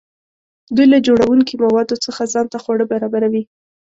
دوی له جوړونکي موادو څخه ځان ته خواړه برابروي.